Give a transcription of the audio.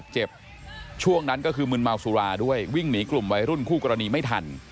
ช่วงนั้นก็คือมึนเมาสุราด้วยวิ่งหนีกลุ่มวัยรุ่นคู่กรณีไม่ทัน